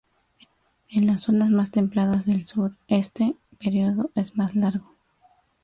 En las zonas más templadas del sur este período es más largo.